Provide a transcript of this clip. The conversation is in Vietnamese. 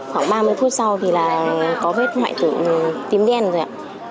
khoảng ba mươi phút sau thì là có vết hoại tử tím đen rồi ạ